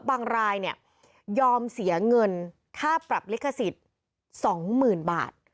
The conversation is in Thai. รายเนี่ยยอมเสียเงินค่าปรับลิขสิทธิ์๒๐๐๐บาท